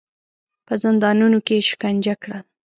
په زندانونو کې یې شکنجه کړل.